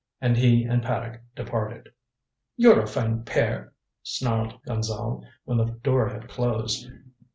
And he and Paddock departed. "You're a fine pair," snarled Gonzale, when the door had closed.